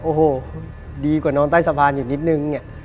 โอ้โหดีกว่านอนใต้สะพานอยู่นิดนึงเนี่ย